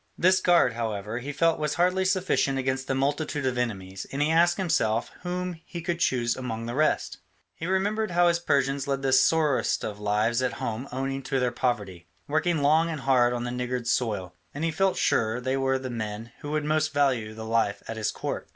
This guard, however, he felt was hardly sufficient against the multitude of enemies, and he asked himself whom he could choose among the rest. He remembered how his Persians led the sorriest of lives at home owing to their poverty, working long and hard on the niggard soil, and he felt sure they were the men who would most value the life at his court.